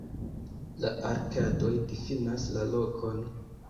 La arkadoj difinas la lokon.